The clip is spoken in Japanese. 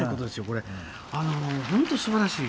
あの本当すばらしい。